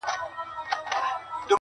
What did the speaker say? • ګاونډي دي بچي پلوري له غربته..